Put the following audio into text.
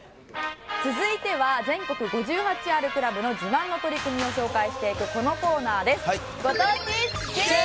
続いては全国５８あるクラブの自慢の取り組みを紹介していくこのコーナーです。